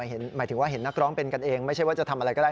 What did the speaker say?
หมายถึงว่าเห็นนักร้องเป็นกันเองไม่ใช่ว่าจะทำอะไรก็ได้